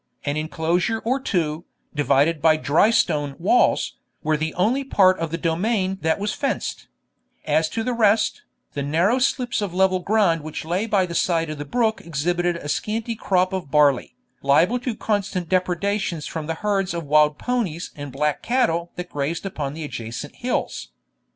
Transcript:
An inclosure or two, divided by dry stone walls, were the only part of the domain that was fenced; as to the rest, the narrow slips of level ground which lay by the side of the brook exhibited a scanty crop of barley, liable to constant depredations from the herds of wild ponies and black cattle that grazed upon the adjacent hills.